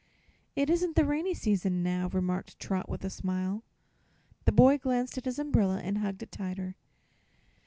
"It isn't the rainy season now," remarked Trot, with a smile. The boy glanced at his umbrella and hugged it tighter.